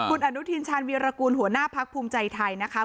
คุณอนุทินชาญวีรกูลหัวหน้าพักภูมิใจไทยนะคะ